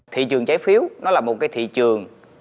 thị trường trái phiếu nó là một cái thị trường